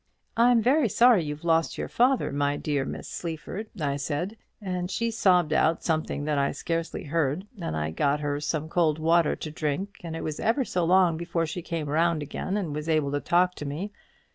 'I'm very sorry you've lost your father, my dear Miss Sleaford,' I said: and she sobbed out something that I scarcely heard, and I got her some cold water to drink, and it was ever so long before she came round again and was able to talk to me.